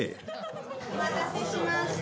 お待たせしました。